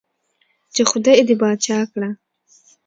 چې خدائے دې باچا کړه ـ